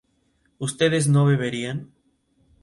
¿ustedes no beberían?